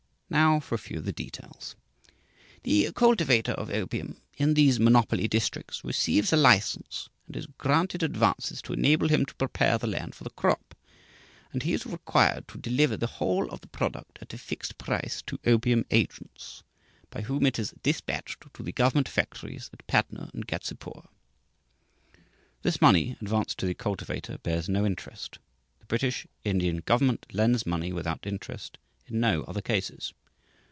Now for a few of the details: "The cultivator of opium in these monopoly districts receives a license, and is granted advances to enable him to prepare the land for the crop, and he is required to deliver the whole of the product at a fixed price to opium agents, by whom it is dispatched to the government factories at Patna and Ghazipur." This money advanced to the cultivator bears no interest. The British Indian government lends money without interest in no other cases.